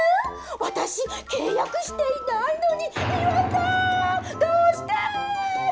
私、契約していないのに、三輪さん、どうして？